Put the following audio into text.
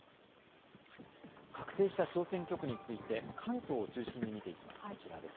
確定した小選挙区について関東を中心に見ていきます。